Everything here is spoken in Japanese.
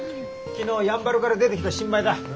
昨日やんばるから出てきた新米だ。